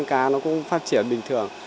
cá nó cũng phát triển bình thường